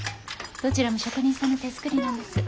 どちらも職人さんの手作りなんです。